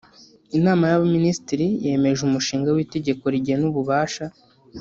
Inama y’Abaminisitiri yemeje Umushinga w’Itegeko rigena ububasha